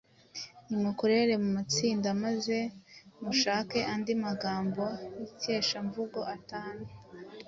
Nimukorere mu matsinda maze mushake andi magambo y’ikeshamvugo atanu